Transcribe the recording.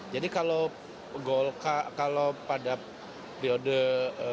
jadi kalau pada periodisasi